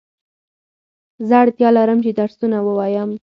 زه اړتیا لرم چي درسونه ووایم